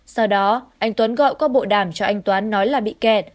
sau đó anh tuấn gọi qua bộ đàm cho anh tuấn nói là bị kẹt